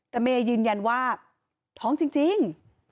แต่เมย์ยืนยันว่าท้องจริง